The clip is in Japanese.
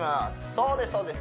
そうです